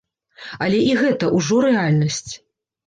Але і гэта ўжо рэальнасць.